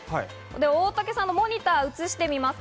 大竹さんのモニターを映してみます。